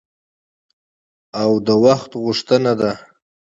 او د وخت غوښتنه ده.